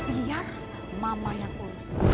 biar mama yang urus